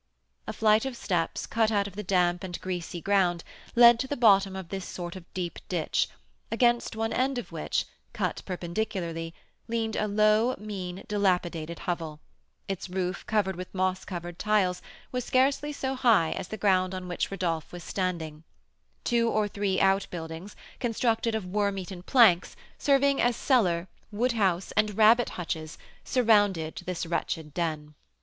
A flight of steps, cut out of the damp and greasy ground, led to the bottom of this sort of deep ditch, against one end of which, cut perpendicularly, leaned a low, mean, dilapidated hovel; its roof, covered with moss covered tiles, was scarcely so high as the ground on which Rodolph was standing; two or three out buildings, constructed of worm eaten planks, serving as cellar, wood house, and rabbit hutches, surrounded this wretched den.